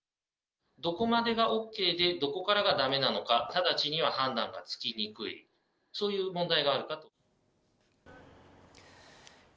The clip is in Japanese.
どこまでがＯＫで、どこからがだめなのか、直ちには判断がつきにくい、そういう問題があるかと思います。